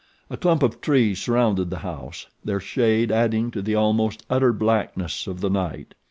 A clump of trees surrounded the house, their shade adding to the almost utter blackness of the night.